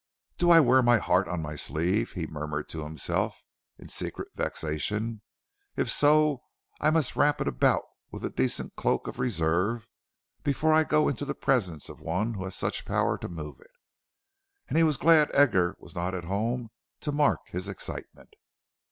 "Do I wear my heart on my sleeve?" he murmured to himself, in secret vexation. "If so, I must wrap it about with a decent cloak of reserve before I go into the presence of one who has such power to move it." And he was glad Edgar was not at home to mark his excitement.